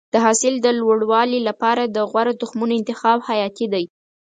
د حاصل د لوړوالي لپاره د غوره تخمونو انتخاب حیاتي دی.